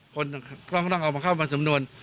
คนก็ต้องเอามาเข้ามาสำนวน